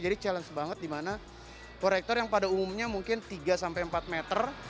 jadi challenge banget di mana proyektor yang pada umumnya mungkin tiga sampai empat meter